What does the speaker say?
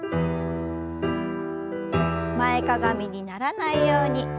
前かがみにならないように気を付けて。